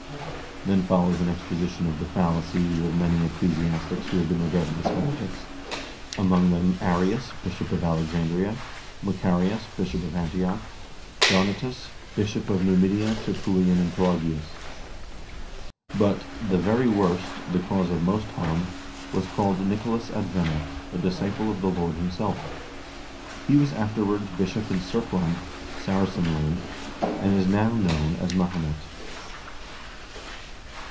Then follows an exposition of the fallacies of many ecclesiastics who have been regarded as heretics; among others, Arms, Bishop of Alexandria, Macarius, Bishop of Antioch, Donatus, Bishop of Numidia, Tertullian and Pelagius. But " the very worst, the cause of most harm, was called Nicolas Advena, a disciple of the Lord himself. He was afterwards bishop in Serkland (Saracenland), and is now known as Mahomet."